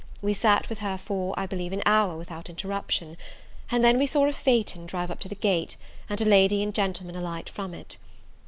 We sat with her for, I believe, an hour without interruption; and then we saw a phaeton drive up to the gate, and a lady and gentleman alight from it.